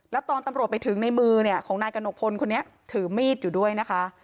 แล้วตอนตำรวจไปถึงในมือเนี่ยของนายกระหนกพลคนนี้ถือมีดอยู่ด้วยนะคะ